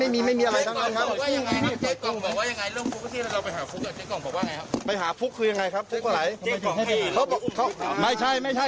ไม่มีใครจ้างไม่มีใครจ้างพี่